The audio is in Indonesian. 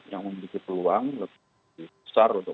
yang memiliki peluang lebih besar untuk